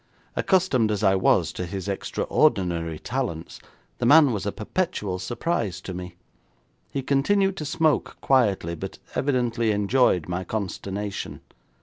Accustomed as I was to his extraordinary talents, the man was a perpetual surprise to me. He continued to smoke quietly, but evidently enjoyed my consternation.